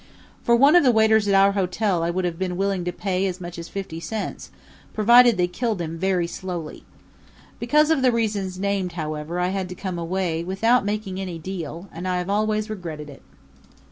For one of the waiters at our hotel I would have been willing to pay as much as fifty cents, provided they killed him very slowly. Because of the reasons named, however, I had to come away without making any deal, and I have always regretted it.